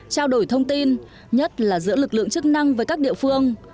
trao đổi thông tin nhất là giữa lực lượng chức năng với các địa phương